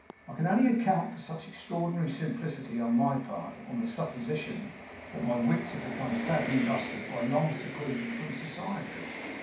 I can only account for such extraordinary simplicity on my part on the supposition that my wits had become sadly rusted by long seclusion from society.